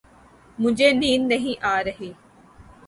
مجھے نیند نہیں آ رہی۔